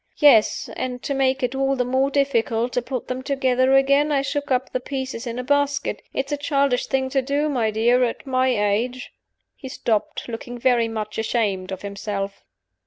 "Yes. And, to make it all the more difficult to put them together again, I shook up the pieces in a basket. It's a childish thing to do, my dear, at my age " He stopped, looking very much ashamed of himself.